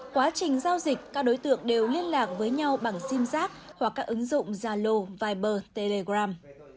quá trình giao dịch các đối tượng đều liên lạc với nhau bằng sim giác hoặc các ứng dụng zalo viber telegram